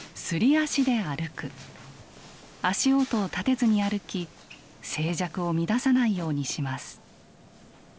足音を立てずに歩き静寂を乱さないようにします。